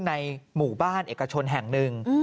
ในหมู่บ้านเอกชนแห่งหนึ่ง